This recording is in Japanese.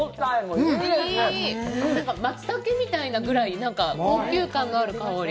マツタケみたいなぐらい高級感のある香り。